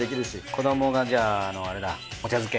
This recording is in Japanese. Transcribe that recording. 子どもがじゃああれだお茶漬け。